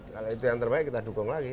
kalau itu yang terbaik kita dukung lagi